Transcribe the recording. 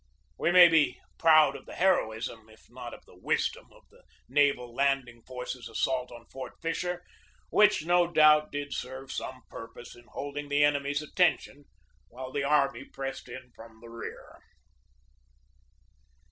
We may be proud of the heroism, if not of the wisdom, of the naval landing force's as sault on Fort Fisher, which, no doubt, did serve some purpose in holding the enemy's attention while the army pressed in from the rear.